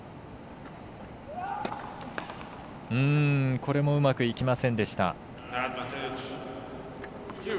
これもうまくいきませんでした。